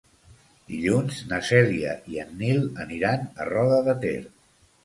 Dilluns na Cèlia i en Nil aniran a Roda de Ter.